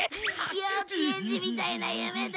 幼稚園児みたいな夢だ！